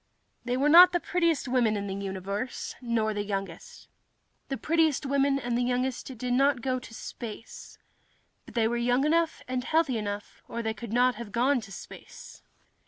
They were not the prettiest four women in the universe, nor the youngest. The prettiest women and the youngest did not go to space. But they were young enough and healthy enough, or they could not have gone to space.